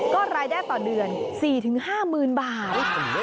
ก็รายได้ต่อเดือน๔๕๐๐๐บาท